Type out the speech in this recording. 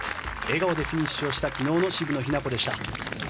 笑顔でフィニッシュした昨日の渋野日向子でした。